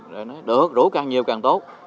rồi nói được rủ càng nhiều càng tốt